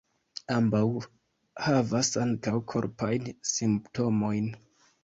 Ambaŭ havas ankaŭ korpajn simptomojn.